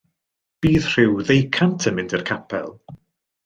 Bydd rhyw ddeucant yn mynd i'r capel.